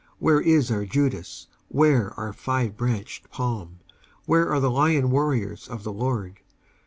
Where is our Judas? Where our five branched palm? Where are the lion warriors of the Lord?